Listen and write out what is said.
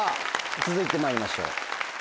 続いてまいりましょう。